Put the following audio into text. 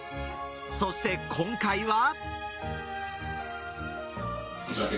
そして今回は。